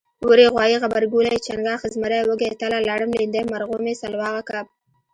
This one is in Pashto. وری غوایي غبرګولی چنګاښ زمری وږی تله لړم لیندۍ مرغومی سلواغه کب